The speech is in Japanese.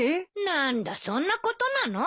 何だそんなことなの？